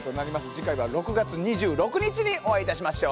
次回は６月２６日にお会いいたしましょう。